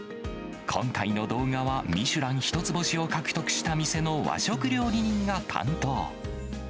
今回の動画は、ミシュラン１つ星を獲得した店の和食料理人が担当。